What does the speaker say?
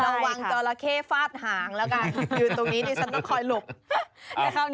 ระวังเจาระเคฟลาดหางแล้วกัน